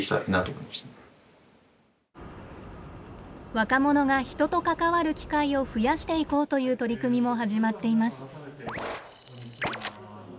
若者が人と関わる機会を増やしていこうという取り組みも始まっています。